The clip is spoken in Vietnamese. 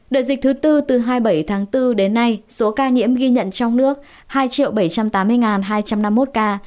đợt dịch thứ tư từ hai mươi bảy tháng bốn đến nay số ca nhiễm ghi nhận trong nước hai bảy trăm tám mươi hai trăm năm mươi một ca